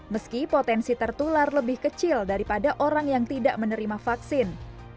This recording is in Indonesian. meski potensi tertular lebih kecil daripada orang yang tidak menerima vaksin